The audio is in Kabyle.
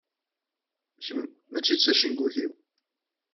Kemm mačči d tacengut-inu.